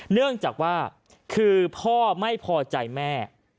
เนื่องจากว่าคือพ่อไม่พอใจแม่